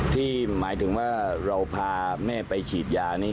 หมายถึงว่าเราพาแม่ไปฉีดยานี่